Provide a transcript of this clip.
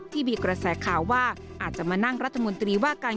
ที่มีกระแสข่าวว่าอาจจะมานั่งรัฐมนตรีว่าการ